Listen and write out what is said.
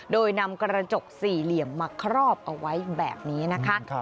โดยนำกระจกสี่เหลี่ยมมาครอบเอาไว้แบบนี้นะคะ